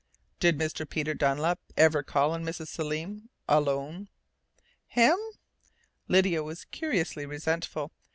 "Did Mr. Peter Dunlap ever call on Mrs. Selim alone?" "Him?" Lydia was curiously resentful.